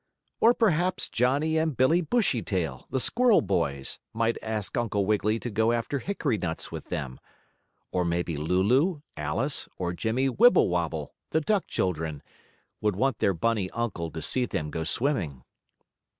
Or perhaps Johnnie and Billie Bushytail, the squirrel boys, might ask Uncle Wiggily to go after hickory nuts with them, or maybe Lulu, Alice or Jimmie Wibblewobble, the duck children, would want their bunny uncle to see them go swimming.